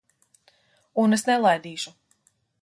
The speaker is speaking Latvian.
Un es nelaidīšu.